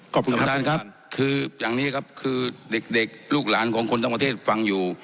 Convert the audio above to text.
ขอบคุณครับท่านครับคืออย่างนี้ครับคือเด็กลูกหลานของคนทั้งประเทศฟังอยู่